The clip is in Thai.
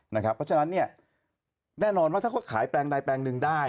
เพราะฉะนั้นแน่นอนว่าถ้าเขาขายแปลงใดแปลงหนึ่งได้